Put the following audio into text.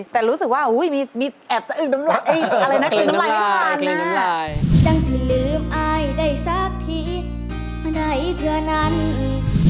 แต่รู้สึกว่าอุ้ยมีแอบทั้งหมดกลิ่นน้ำลายบ้างนะ